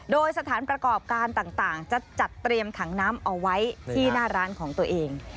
โดยสถานประกอบการต่างจะจัดเตรียมถังน้ำเอาไว้ที่หน้าร้านของตัวเอง